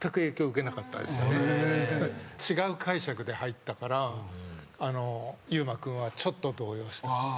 違う解釈で入ったからｙｕｍａ君はちょっと動揺した。